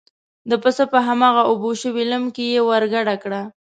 د پسه په هماغه اوبه شوي لم کې یې ور ګډه کړه.